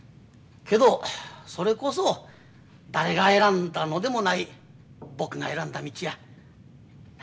けどそれこそ誰が選んだのでもない僕が選んだ道や。